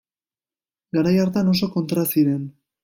Garai hartan oso kontra ziren.